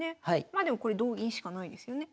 まあでもこれ同銀しかないですよね。